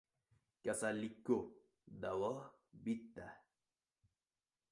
• Kasallik ko‘p, davo bitta.